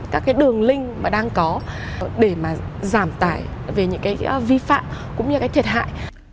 các đường link mà đang có để mà giảm tải về những vi phạm cũng như thiệt hại